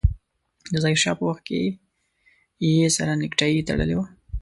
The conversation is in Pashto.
د ظاهر شاه په وخت کې يې سره نيکټايي تړلې وه.